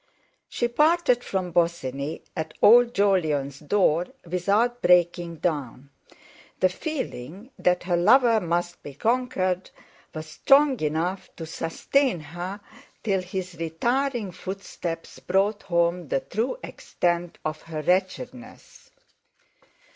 She parted from Bosinney at old Jolyon's door without breaking down; the feeling that her lover must be conquered was strong enough to sustain her till his retiring footsteps brought home the true extent of her wretchedness.